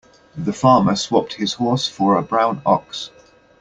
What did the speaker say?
The farmer swapped his horse for a brown ox.